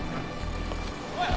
おい！